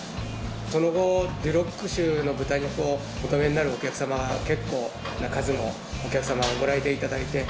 その後デュロック種の豚肉をお食べになるお客様が結構な数のお客様がご来店いただいて。